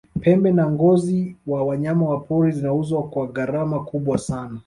pembe na ngozi wa wanyamapori zinauzwa kwa gharama kubwa sana